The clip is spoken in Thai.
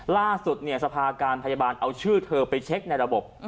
ล่าสุดสภาการพยาบาลเอาชื่อเธอไปเช็คในระบบ